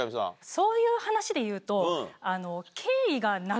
そういう話で言うと。